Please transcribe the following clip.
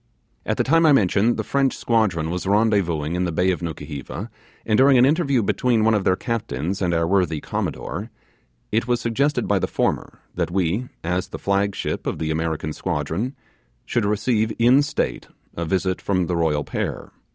At the time I mention, the French squadron was rendezvousing in the bay of Nukuheva, and during an interview between one of their captains and our worthy Commodore, it was suggested by the former, that we, as the flag ship of the American squadron, should receive, in state, a visit from the royal pair.